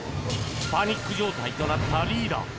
パニック状態となったリーダー。